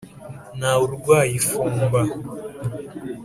ntawe urwaye ifumba